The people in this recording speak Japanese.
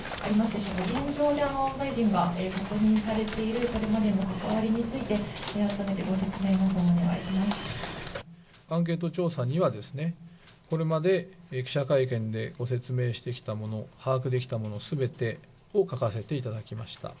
現状、大臣が確認されているこれまでの関わりについて、アンケート調査には、これまで記者会見でご説明してきたもの、把握できたものすべてを書かせていただきました。